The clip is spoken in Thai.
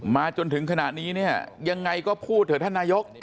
มาจนถึงขนาดนี้ยังไงก็พูดเถอะท่านนายก